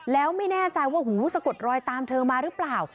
แล้วไม่แน่ใจว่าหูสะกดรอยตามเธอมาหรือเปล่า